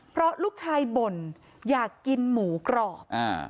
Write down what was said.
เพราะลูกชายบ่นอยากกินหมูกรอบอ่า